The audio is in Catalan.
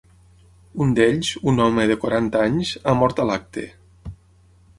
Un d’ells, un home de quaranta anys, ha mort a l’acte.